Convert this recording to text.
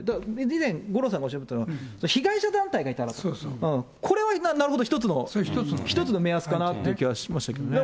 以前、五郎さんがおっしゃったのは、被害者団体がいたら、これはなるほど、一つの目安かなっていう気はしましたけどね。